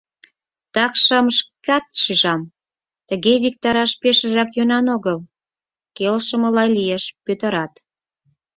Такшым шкат шижам, тыге виктараш пешыжак йӧнан огыл, — келшымыла лиеш Пӧтырат.